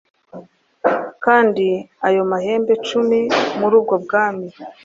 kandi ayo mahembe cumi muri ubwo bwami